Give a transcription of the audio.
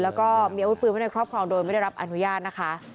แล้วก็มีอาวุธปืนไว้ในครอบครองโดยไม่ได้รับอนุญาตนะคะ